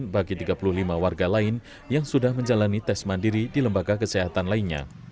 bagi tiga puluh lima warga lain yang sudah menjalani tes mandiri di lembaga kesehatan lainnya